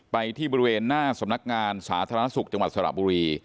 ไปที่บริเวณหน้าสำนักงานสาธารณสุขจังหวัดสระบุรี